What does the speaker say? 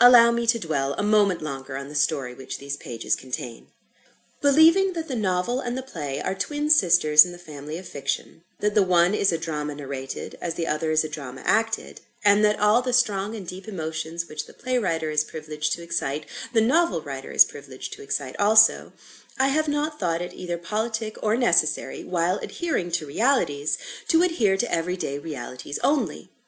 Allow me to dwell a moment longer on the story which these pages contain. Believing that the Novel and the Play are twin sisters in the family of Fiction; that the one is a drama narrated, as the other is a drama acted; and that all the strong and deep emotions which the Play writer is privileged to excite, the Novel writer is privileged to excite also, I have not thought it either politic or necessary, while adhering to realities, to adhere to every day realities only.